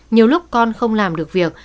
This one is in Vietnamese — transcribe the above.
nhiều lúc con không làm được việc